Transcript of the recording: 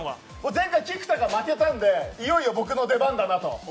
前回、菊田が負けたので、いよいよ僕の出番だなと。